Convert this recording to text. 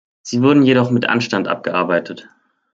Sie wurden jedoch mit Anstand abgearbeitet.